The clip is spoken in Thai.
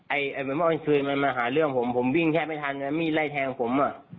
ไอ้ม่อวันซืนมันมาหาเรื่องผมผมวิ่งแค่ไม่ทันแล้วมีไล่แทงผมอ่ะ